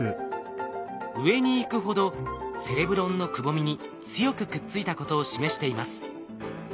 上に行くほどセレブロンのくぼみに強くくっついたことを示しています。